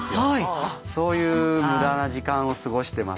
そういう無駄な時間を過ごしてますね。